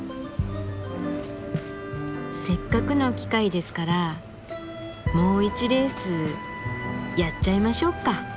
せっかくの機会ですからもう１レースやっちゃいましょうか！